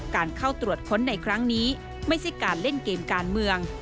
การเข้าตรวจค้นในครั้งนี้ไม่ใช่การเล่นเกมการเมือง